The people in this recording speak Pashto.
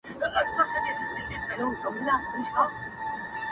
• خپل عمل ورسره وړي خپل کردګار ته,